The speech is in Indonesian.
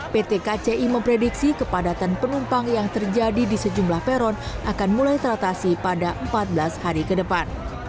pt kci memprediksi kepadatan penumpang yang terjadi di sejumlah peron akan mulai teratasi pada empat belas hari ke depan